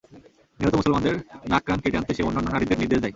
নিহত মুসলমানদের নাক-কান কেটে আনতে সে অন্যান্য নারীদের নির্দেশ দেয়।